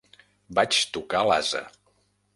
Vaig tocar l'ase.